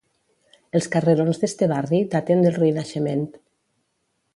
Els carrerons d'este barri daten del Renaixement.